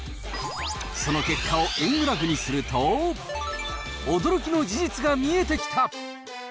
その結果を円グラフにすると、驚きの事実が見えてきた。